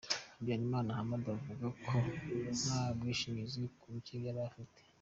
Muhayimana Hamad avuga ko nta bwishingizi na buke yari afite.